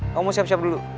kamu siap siap dulu